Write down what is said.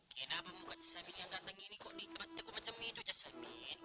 kenapa muka jasamin yang ganteng ini kok di tempat teko macam itu jasamin